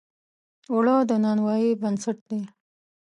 اوړه د نانوایۍ بنسټ دی